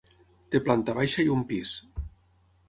Té planta baixa i un pis.